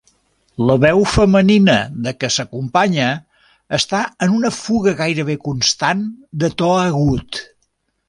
La veu femenina de què s'acompanya està en una fuga gairebé constant de to agut.